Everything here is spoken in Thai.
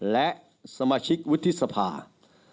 และสมาชิกวิทยศภาษณ์